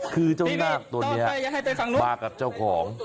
คือเจ้านาคตัวนี้มากับเจ้าของ